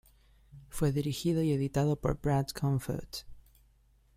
Fue dirigido y editado por Brad Comfort.